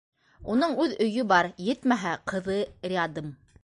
Уның үҙ өйө бар, етмәһә, ҡыҙы рядым.